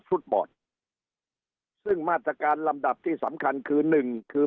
ฟุตบอลซึ่งมาตรการลำดับที่สำคัญคือหนึ่งคือ